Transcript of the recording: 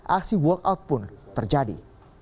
aksi walkout pun terjadi